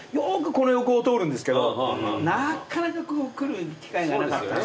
この横を通るんですけどなかなか来る機会がなかったので。